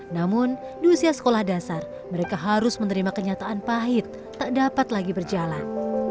namun di usia sekolah dasar mereka harus menerima kenyataan pahit tak dapat lagi berjalan